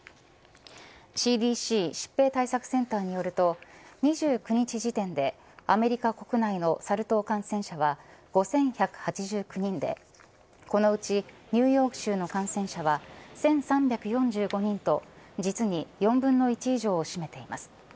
ＣＤＣ疾病対策センターによると２９日時点でアメリカ国内のサル痘感染者は５１８９人でこのうちニューヨーク州の感染者は１３４５人と実に４分の１以上を占めています。